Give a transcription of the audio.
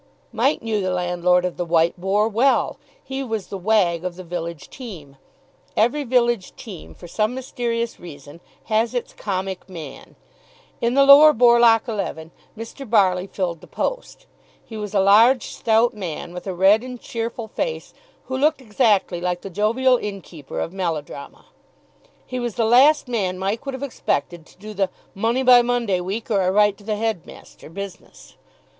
Mike knew the landlord of the "White Boar" well; he was the wag of the village team. Every village team, for some mysterious reason, has its comic man. In the Lower Borlock eleven Mr. Barley filled the post. He was a large, stout man, with a red and cheerful face, who looked exactly like the jovial inn keeper of melodrama. He was the last man Mike would have expected to do the "money by Monday week or I write to the headmaster" business.